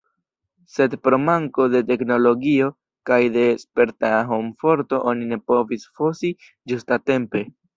Sed pro manko de teknologio kaj de sperta homforto oni ne povis fosi ĝustatempe.